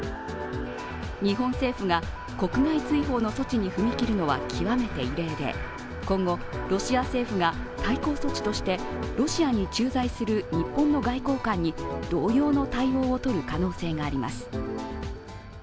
日本政府が国外追放の措置に踏み切るのは極めて異例で、今後、ロシア政府が対抗措置としてロシアに駐在する日本の外交官に同様の対応をとる可能性があります。